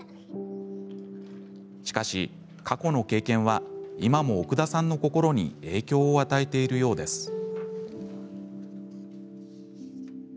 しかし、過去の経験は今も奥田さんの心に影響を与えているようです。